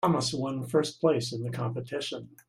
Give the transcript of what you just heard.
Thomas one first place in the competition.